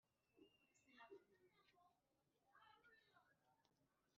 Abatigeze mu ntambara bagwa igihumure